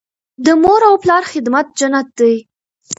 د مور او پلار خدمت جنت دی.